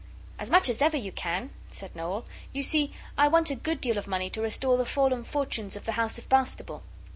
'As much as ever you can,' said Noel. 'You see I want a good deal of money to restore the fallen fortunes of the house of Bastable.